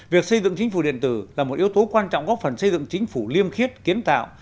việc xây dựng chính phủ điện tử là một yếu tố quan trọng góp phần xây dựng chính phủ liêm khiết kiến tạo